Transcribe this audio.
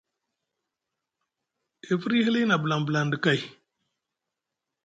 E firyi hili na blaŋblaŋ ɗa kay.